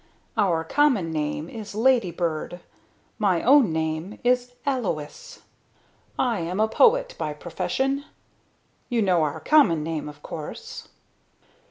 Our common name is ladybird, my own name is Alois, I am a poet by profession. You know our common name, of course."